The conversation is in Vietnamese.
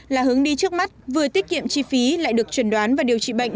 là hướng đi trước mắt vừa tiết kiệm chi phí lại được chuẩn đoán và điều trị bệnh